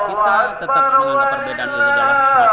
kita tetap menganggap perbedaan itu adalah